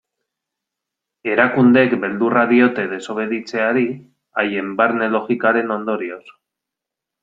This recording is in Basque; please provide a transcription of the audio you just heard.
Erakundeek beldurra diote desobeditzeari, haien barne logikaren ondorioz.